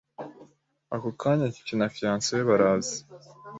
Ako kanya Kiki na Fiance we baraza